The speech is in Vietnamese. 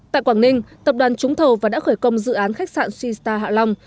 tại quảng ninh tập đoàn trúng thầu và đã khởi công dự án khách sạn suy star hạ long